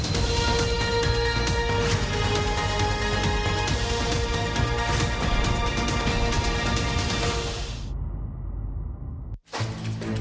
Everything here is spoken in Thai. หลักเสียงต้องการวิเคราะห์